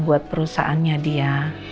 buat perusahaannya dia